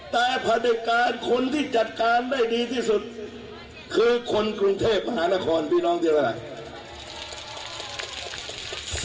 แต่ผลิตการคนที่จัดการได้ดีที่สุดคือคนกรุงเทพมหานครพี่น้องที่ว่า